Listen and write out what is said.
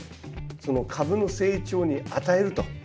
その株の成長に与えると。